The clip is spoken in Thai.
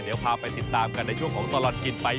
เดี๋ยวพาไปติดตามกันในช่วงของตลอดกินไป